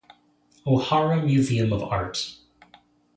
Ohara Museum of Art